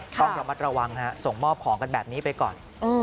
ต้องระมัดระวังส่งมอบของกันแบบนี้ไปก่อน